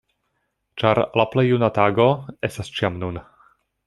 Ĉar "La plej juna tago estas ĉiam nun!